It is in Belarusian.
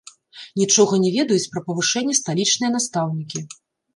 Нічога не ведаюць пра павышэнне сталічныя настаўнікі.